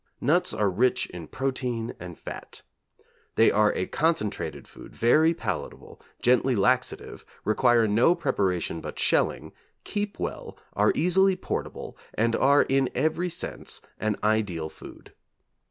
Nuts are rich in protein and fat. They are a concentrated food, very palatable, gently laxative, require no preparation but shelling, keep well, are easily portable, and are, in every sense, an ideal food.